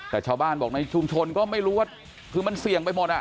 แต่ชาวบ้านบอกในชุมชนก็ไม่รู้ว่าคือมันเสี่ยงไปหมดอ่ะ